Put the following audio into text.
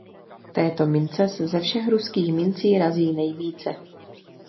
Této mince se ze všech ruských mincí razí nejvíce.